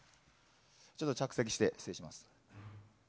ちょっと着席して、失礼します。